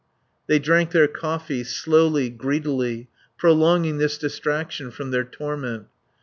They drank their coffee, slowly, greedily, prolonging this distraction from their torment.